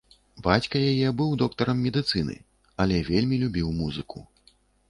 Бацька яе быў доктарам медыцыны, але вельмі любіў музыку.